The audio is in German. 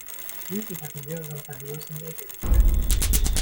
Schließlich hat die Lehrerin Thaddäus in die Ecke gestellt.